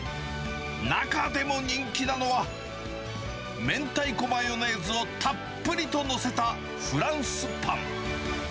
中でも人気なのは、明太子マヨネーズをたっぷりと載せたフランスパン。